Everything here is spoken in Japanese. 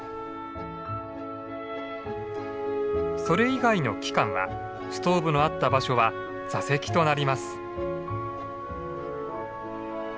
それ以外の期間はストーブのあった場所は座席となります。